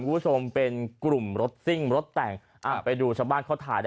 คุณผู้ชมเป็นกลุ่มรถซิ่งรถแต่งอ่ะไปดูชาวบ้านเขาถ่ายได้